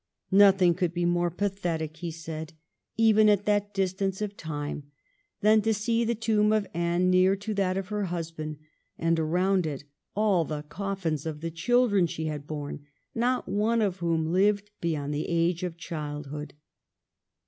Nothing could be more pathetic, he said, even at that distance of time, than to see the tomb of Anne near to that of her husband and around it all the coffins of the children she had borne, not one of whom lived beyond the age of childhood.